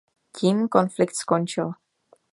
Tím konflikt skončil.